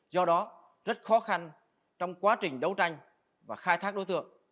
do đó rất khó khăn trong quá trình đấu tranh và khai thác đối tượng